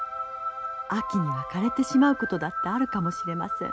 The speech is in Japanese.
秋にはかれてしまうことだってあるかもしれません。